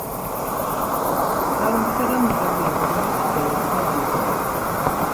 მთავრობისაგან მიღებული ჰქონდა სიგელები და ჯილდოები.